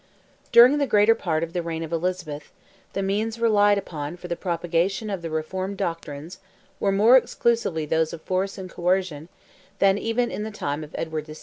During the greater part of the reign of Elizabeth, the means relied upon for the propagation of the reformed doctrines were more exclusively those of force and coercion than even in the time of Edward VI.